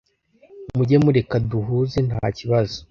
Muge mureka duhuze nta kibazo